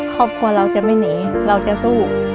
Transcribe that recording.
ครอบครัวเราจะไม่หนีเราจะสู้